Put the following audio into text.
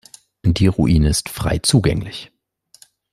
Die Ruine ist frei zugänglich.